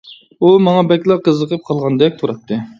ئۇ ماڭا بەكلا قىزىقىپ قالغاندەك تۇراتتى.